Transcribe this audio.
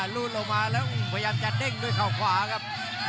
ลูดลงมาแล้วอยากเต้นด้วยเข้าขวาครับ